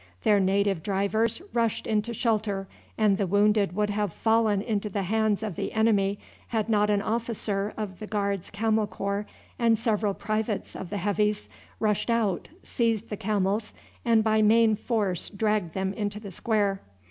Their native drivers rushed into shelter, and the wounded would have fallen into the hands of the enemy had not an officer of the Guards' Camel Corps and several privates of the Heavies rushed out, seized the camels, and by main force dragged them into the square.